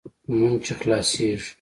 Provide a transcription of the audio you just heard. لمونځ چې خلاصېږي.